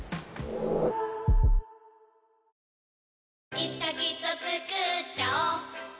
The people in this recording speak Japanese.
いつかきっとつくっちゃおう